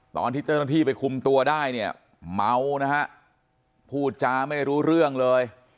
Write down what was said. ตอนที่เจ้าหน้าที่ไปคุมตัวได้เนี่ยเมานะฮะพูดจาไม่รู้เรื่องเลย